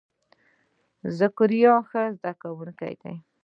ذکریا ښه زده کونکی دی.